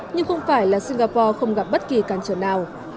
nhưng không phải là singapore không gặp bất kỳ cản trở nào